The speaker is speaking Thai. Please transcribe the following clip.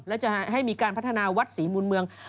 แล้วจะให้มีการพัฒนาวัดศรีมูลเมือง